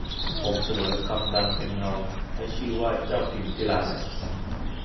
ผมสลวยสวยขำดำเป็นเงา ให้ชื่อว่าเจ้าพิมพิลาไลย